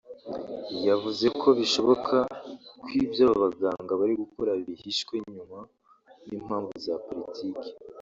yavuze ko bishoboka ko ibyo aba baganga bari gukora byihishwe inyuma n’impamvu za politiki